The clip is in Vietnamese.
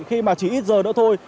khi mà chỉ ít giờ nữa thôi